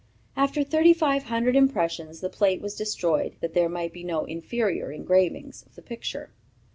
After thirty five hundred impressions, the plate was destroyed, that there might be no inferior engravings of the picture.